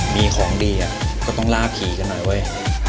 มีของดีก็ต้องล่าผีกันหน่อยเว้ย